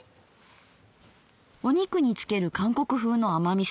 お肉に付ける韓国風の甘みそ。